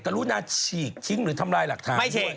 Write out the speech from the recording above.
กรุณาฉีกทิ้งหรือทำลายหลักฐาน